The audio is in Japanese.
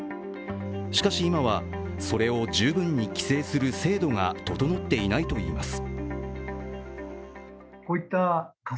しかし今は、それを十分に規制する制度が整っていないといいます。